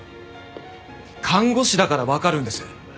看護師だからわかるんです。